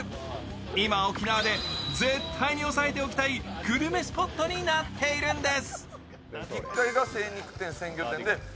今沖縄で絶対に押さえておきたいグルメスポットになっているんです。